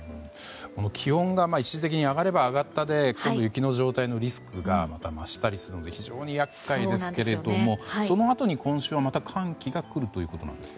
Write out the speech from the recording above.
気温が一時的に上がれば上がったで今度は雪の状態が変わるリスクが増したりするので非常に厄介ですけどもそのあとに今週は、また寒気が来るということですか？